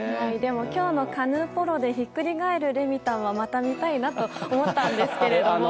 今日のカヌーポロでひっくり返るレミたんは、また見たいなと思ったんですけども。